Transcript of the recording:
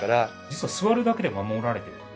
実は座るだけで守られている。